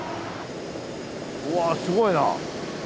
うわすごいな。